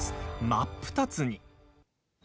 真っ二つに。